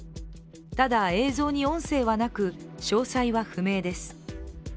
ただ、映像に音声はなく詳細は不明です。